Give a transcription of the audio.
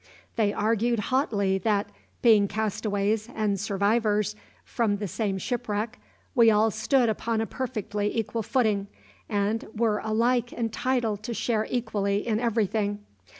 They argued hotly that, being castaways and survivors from the same shipwreck, we all stood upon a perfectly equal footing and were alike entitled to share equally in everything.